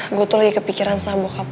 nggak gue lagi gak mikirin si adriana kok